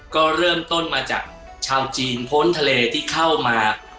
ก็เริ่มต้นมาจากชาวจีนพ้นทะเลที่เข้ามา